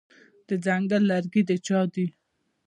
د ځنګل لرګي د چا دي؟